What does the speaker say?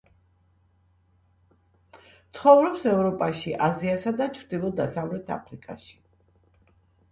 ცხოვრობს ევროპაში, აზიასა და ჩრდილო-დასავლეთ აფრიკაში.